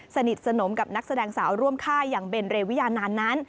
สนิทสนมกับนักแสดงสาวร่วมค่ายอย่างเบนเรวิยานานนั้น